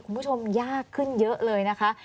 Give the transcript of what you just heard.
คุณผู้ชมยากขึ้นเยอะเลยนะคะ